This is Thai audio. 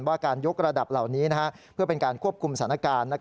ว่าการยกระดับเหล่านี้เพื่อเป็นการควบคุมสถานการณ์